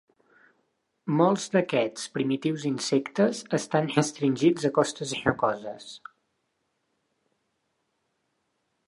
Molts d'aquests primitius insectes estan restringits a costes rocoses.